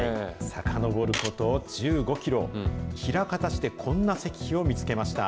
さかのぼること１５キロ、枚方市で、こんな石碑を見つけました。